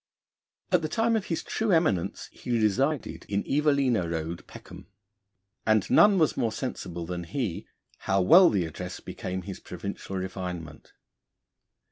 At the time of his true eminence he 'resided' in Evelina Road, Peckham, and none was more sensible than he how well the address became his provincial refinement.